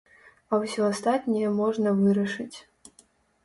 А ўсё астатняе можна вырашыць.